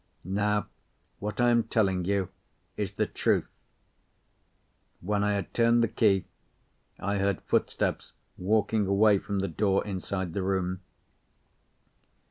Now, what I am telling you is the truth. When I had turned the key, I heard footsteps walking away from the door inside the room.